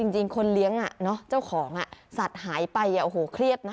จริงคนเลี้ยงเนาะเจ้าของศัตริย์หายไปโหเครียดนะ